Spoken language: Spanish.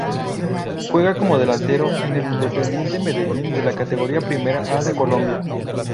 Juega como delantero en el Independiente Medellín de la Categoría Primera A de Colombia.